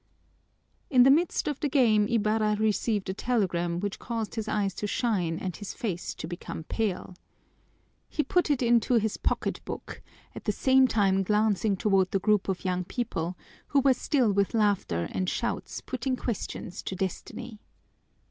In the midst of the game Ibarra received a telegram which caused his eyes to shine and his face to become pale. He put it into his pocketbook, at the same time glancing toward the group of young people, who were still with laughter and shouts putting questions to Destiny.